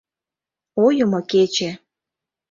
Ойымо кече.